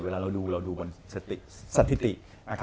เวลาเราดูเราดูบนสถิตินะครับ